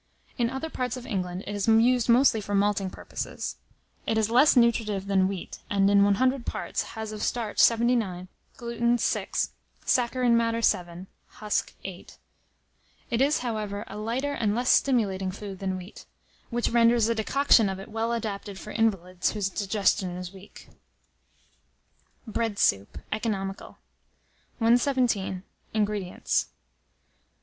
In other parts of England, it is used mostly for malting purposes. It is less nutritive than wheat; and in 100 parts, has of starch 79, gluten 6, saccharine matter 7, husk 8. It is, however, a lighter and less stimulating food than wheat, which renders a decoction of it well adapted for invalids whose digestion is weak. BREAD SOUP. (Economical.) 117. INGREDIENTS.